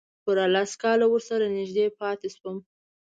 پوره لس کاله ورسره نږدې پاتې شوم.